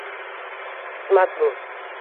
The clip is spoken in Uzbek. Qismat bu…